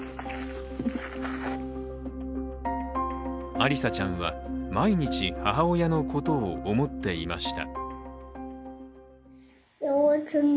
アリサちゃんは毎日、母親のことを思っていました。